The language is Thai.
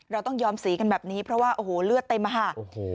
เราต้องยอมสีกันแบบนี้เพราะว่าโอ้โหเลือดเต็มอะค่ะโอ้โห